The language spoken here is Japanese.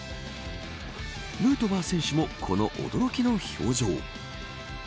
ヌートバー選手もこの驚きの表情。